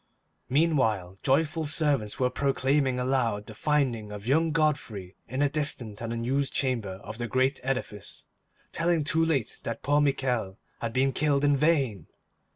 Meanwhile joyful servants were proclaiming aloud the finding of young Godfrey in a distant and unused chamber of the great edifice, telling too late that poor Michel had been killed in vain.